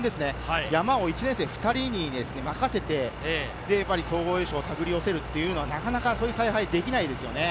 山を１年生・２人に任せて総合優勝を手繰り寄せるというのは、なかなかそういう采配はできないですよ。